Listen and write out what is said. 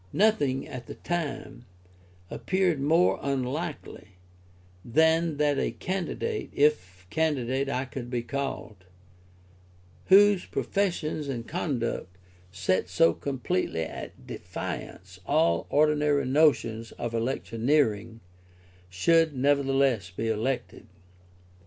Nothing, at the time, appeared more unlikely than that a candidate (if candidate I could be called) whose professions and conduct set so completely at defiance all ordinary notions of electioneering, should nevertheless be elected.